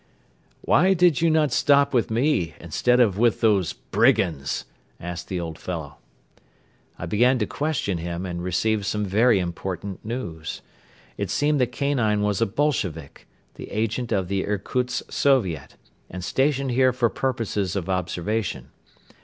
"Why did you not stop with me instead of with those brigands?" asked the old fellow. I began to question him and received some very important news. It seemed that Kanine was a Bolshevik, the agent of the Irkutsk Soviet, and stationed here for purposes of observation.